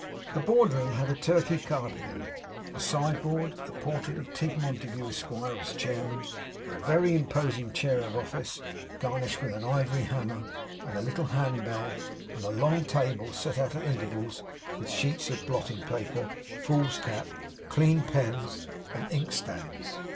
The board room had a Turkey carpet in it, a sideboard, a portrait of Tigg Montague, Esquire, as chairman; a very imposing chair of office, garnished with an ivory hammer and a little hand bell; and a long table, set out at intervals with sheets of blotting paper, foolscap, clean pens, and inkstands.